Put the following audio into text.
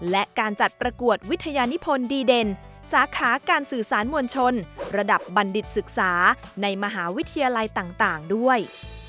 และการจัดประกวดวิทยานิพลดีเด่นสาขาการสื่อสารมวลชนระดับบัณฑิตศึกษาในมหาวิทยาลัยต่างด้วย